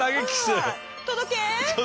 届け。